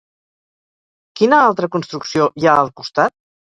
Quina altra construcció hi ha al costat?